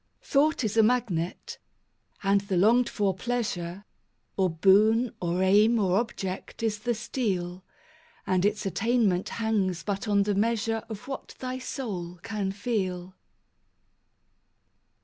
Thought is a magnet; and the longed for pleasure, Or boon, or aim, or object, is the steel; And its attainment hangs but on the measure Of what thy soul can feel.